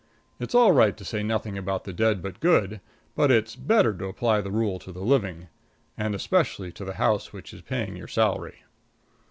It's all right to say nothing about the dead but good, but it's better to apply the rule to the living, and especially to the house which is paying your salary.